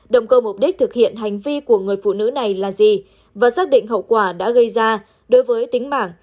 động cơ mục đích thực hiện hành vi của người phụ nữ này là gì và xác định hậu quả đã gây ra đối với tính mạng